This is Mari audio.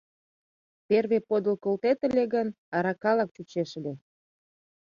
Перве подыл колтет ыле гын, аракалак чучеш ыле.